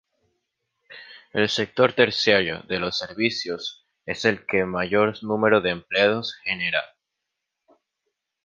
El sector terciario, de los servicios, es el que mayor número de empleos genera.